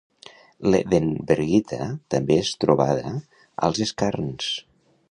L'hedenbergita també és trobada als skarns.